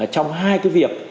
trong hai cái việc